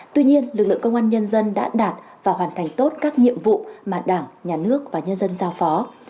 tuy nhiên lực lượng công an nhân dân đã đạt và hoàn thành tốt các nhiệm vụ mà đảng nhà nước và nhân dân giao phó